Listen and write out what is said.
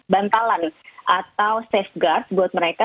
bantalan atau safeguard buat mereka